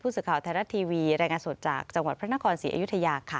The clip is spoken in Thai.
สื่อข่าวไทยรัฐทีวีรายงานสดจากจังหวัดพระนครศรีอยุธยาค่ะ